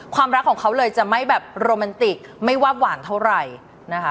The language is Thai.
ความรักของเขาเลยจะไม่แบบโรแมนติกไม่วาบหวานเท่าไหร่นะคะ